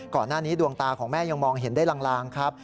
ก่อนหน้านี้ดวงตาของแม่ยังมองเห็นได้ลางครับ